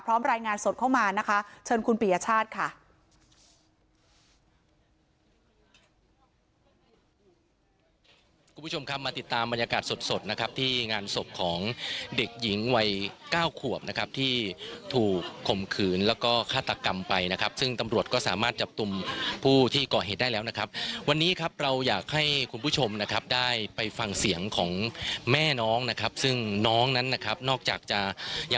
รายงานสดเข้ามานะคะเชิญคุณปียชาติค่ะ